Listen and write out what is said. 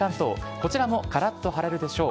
こちらもからっと晴れるでしょう。